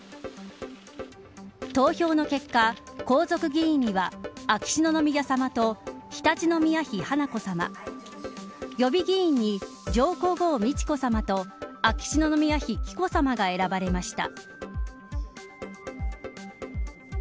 投票の結果、皇族議員には秋篠宮さまと常陸宮妃華子さま予備議員に上皇后美智子さまと秋篠宮妃紀子さまが選ばれました。